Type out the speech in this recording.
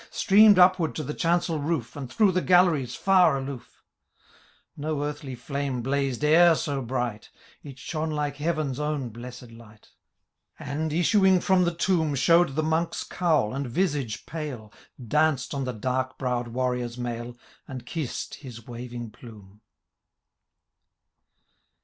Streamed upward to the chancel roof. And through the galleries far aloof! Ko earthly flame blazed e^er so bright : It shone like heaven^ own blessed light. And, issuing from the tomb, Showed the Menkes cowl, and visage pale. Danced on the dark brow'd WarriorTs mail, And kissed his waving plume.